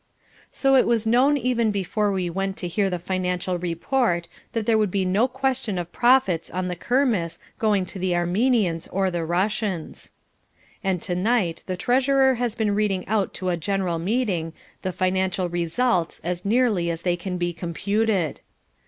So it was known even before we went to hear the financial report that there would be no question of profits on the Kermesse going to the Armenians or the Russians. And to night the treasurer has been reading out to a general meeting the financial results as nearly as they can be computed.